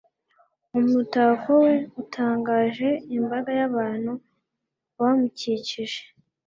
umutako we utangaje imbaga y'abantu bamukikije